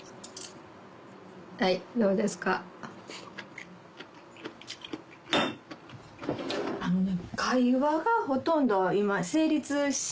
はいどうですか。ね？